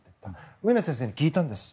上野先生に聞いたんです。